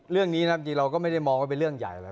เรื่องนี้เราก็ไม่ได้มองเป็นเรื่องใหญ่เลย